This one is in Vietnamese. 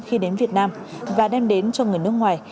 khi đến việt nam và đem đến cho người nước ngoài